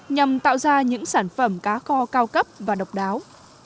nhằm tạo ra những sản phẩm cá kho cao cấp và độc đáo